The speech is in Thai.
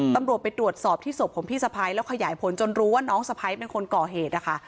ตำรวจไปตรวจสอบที่ศพของพี่สะพ้ายแล้วขยายผลจนรู้ว่าน้องสะพ้ายเป็นคนก่อเหตุนะคะ